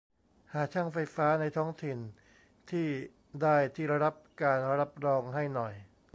หาช่างไฟฟ้าในท้องถิ่นที่ได้ที่รับการรับรองให้หน่อย